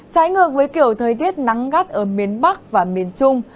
trái ngược với kiểu thời tiết nắng gắt ở miền bắc và miền trung